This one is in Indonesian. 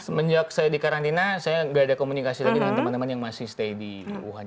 semenjak saya di karantina saya nggak ada komunikasi lagi dengan teman teman yang masih stay di wuhan